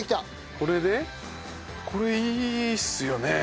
これでこれいいっすよね？